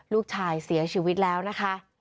ลูกชายเสียชีวิตแล้วนะคะ